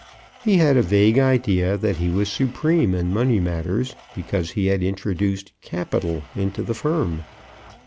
He had a vague idea that he was supreme in money matters, because he had introduced "capital" into the firm.